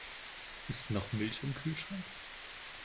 Ist noch Milch im Kühlschrank?